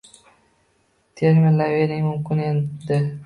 termilaverish mumkin edi...